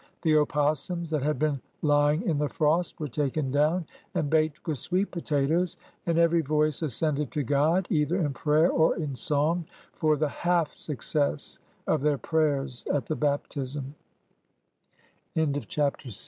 The opossums that had been lying in the frost were taken down and baked with sweet pota toes, and every voice ascended to God, either in prayer or in song, for the half success of their prayers at the ba